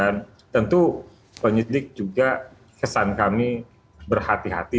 dan tentu penyidik juga kesan kami berhati hati